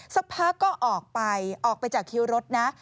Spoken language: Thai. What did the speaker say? สักพักก็ออกไปออกไปจากคิวรถนะ